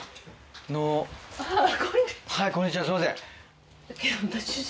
はいこんにちはすいません。